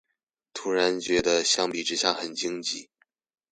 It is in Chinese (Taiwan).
突然覺得相比之下很經濟